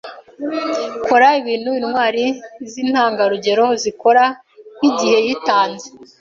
kora ibintu intwari zintangarugero zikora nkigihe yitanze